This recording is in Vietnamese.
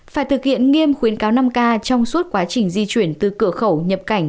phải thực hiện nghiêm khuyến cáo năm k trong suốt quá trình di chuyển từ cửa khẩu nhập cảnh